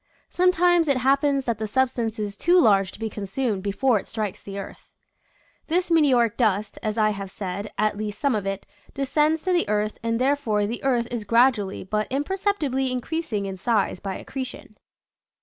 Sometimes it happens that the substance is too large to be consumed be fore is strikes the earth. This meteoric dust, as I have said, at least some of it, descends to the earth and there fore the earth is gradually but imperceptibly increasing in size by accretion.